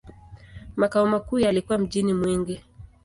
Makao makuu yalikuwa mjini Mwingi.